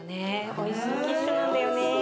おいしいキッシュなんだよね。